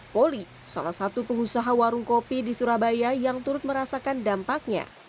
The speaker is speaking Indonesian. poli salah satu pengusaha warung kopi di surabaya yang turut merasakan dampaknya